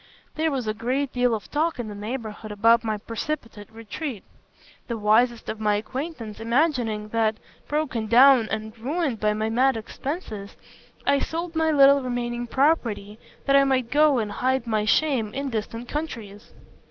There was a great deal of talk in the neighbourhood about my precipitate retreat; the wisest of my acquaintance imagining that, broken down and ruined by my mad expenses, I sold my little remaining property, that I might go and hide my shame in distant countries.